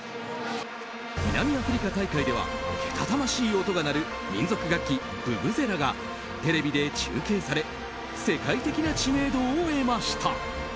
南アフリカ大会ではけたたましい音が鳴る民族楽器ブブゼラがテレビで中継され世界的な知名度を得ました。